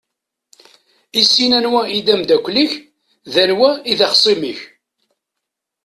Issin anwa i d amdakel-ik d wanwa i d axṣim-ik!